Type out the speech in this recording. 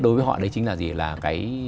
đối với họ đấy chính là gì là cái